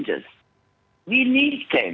kita butuh perubahan